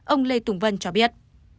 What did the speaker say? ông lê tùng vân cho biết